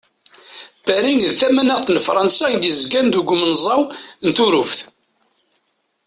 Paris d tamanaxt n Frans i d-yezgan deg umenẓaw n Turuft.